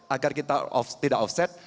agar kita tidak off site